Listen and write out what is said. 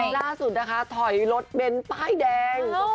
ล่าสุดนะคะถอยรถเบ้นป้ายแดง